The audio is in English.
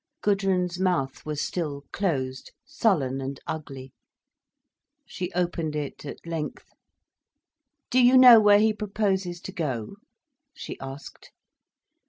Gudrun's mouth was still closed, sullen and ugly. She opened it at length. "Do you know where he proposes to go?" she asked.